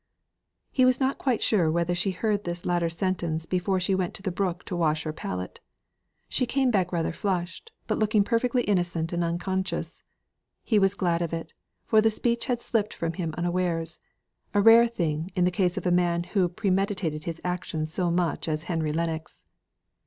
He was not quite sure whether she heard this latter sentence before she went to the brook to wash her palette. She came back rather flushed, but looking perfectly innocent and unconscious. He was glad of it, for the speech had slipped from him unawares a rare thing in the case of a man who premeditated his actions so much as Henry Lennox.